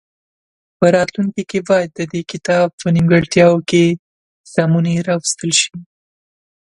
په راتلونکي کې باید د دې کتاب په نیمګړتیاوو کې سمونې راوستل شي.